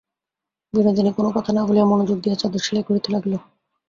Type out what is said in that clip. বিনোদিনী কোনো কথা না বলিয়া মনোযোগ দিয়া চাদর সেলাই করিতে লাগিল।